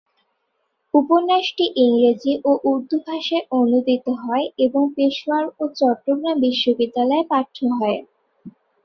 উপন্যাসটি ইংরেজি ও উর্দু ভাষায় অনূদিত হয় এবং পেশোয়ার ও চট্টগ্রাম বিশ্ববিদ্যালয়ে পাঠ্য হয়।